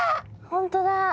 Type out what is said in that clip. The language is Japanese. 本当だ。